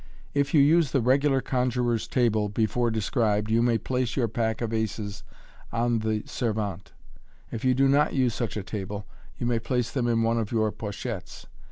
If you use the regular conjuror's table, before described, you may place your pack of aces on thj seruante. If you do not use such a table, you may place them in one of your pochettes.